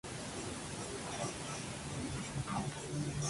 Insectos, específicamente cucarachas, aparecen en el video en varias ocasiones.